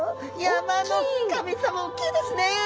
山の神様おっきいですね！